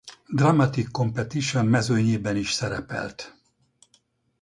Dramatic Competition mezőnyében is szerepelt.